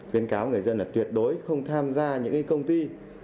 khuyến cáo người dân là tuyệt đối không tham gia những công ty